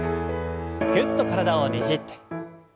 ぎゅっと体をねじって。